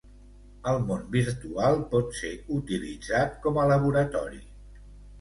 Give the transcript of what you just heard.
El món virtual pot ser utilitzat com a laboratori.